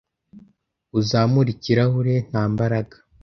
Uzamure ikirahure nta mbaraga